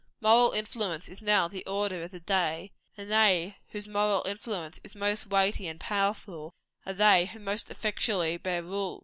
Moral influence is now the order of the day; and they whose moral influence is most weighty and powerful, are they who most effectually bear rule.